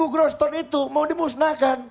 dua ribu groston itu mau dimusnahkan